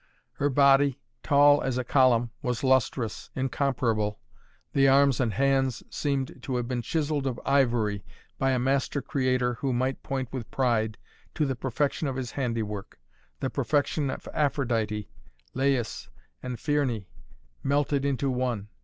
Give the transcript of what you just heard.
Her body, tall as a column, was lustrous, incomparable. The arms and hands seemed to have been chiselled of ivory by a master creator who might point with pride to the perfection of his handiwork the perfection of Aphrodité, Lais and Phryné melted into one.